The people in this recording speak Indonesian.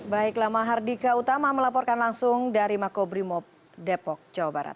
baiklah mahardika utama melaporkan langsung dari makobrimob depok jawa barat